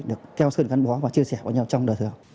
được kéo sơn gắn bó và chia sẻ với nhau trong đời thường